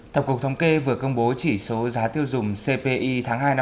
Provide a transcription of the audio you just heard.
tổng cục thống kê vừa công bố chỉ số giá tiêu dùng cpi tháng hai năm hai nghìn hai mươi